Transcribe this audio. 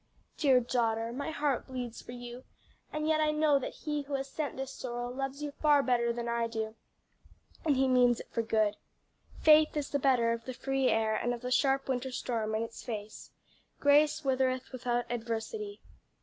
Dear daughter, my heart bleeds for you, and yet I know that He who has sent this sorrow loves you far better than I do, and He means it for good. 'Faith is the better of the free air and of the sharp winter storm in its face. Grace withereth without adversity.'"